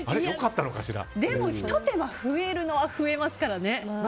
でも、ひと手間増えるのは増えますからね。